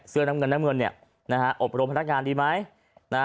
เสื้อน้ำเงินอบรมพนักงานดีไหม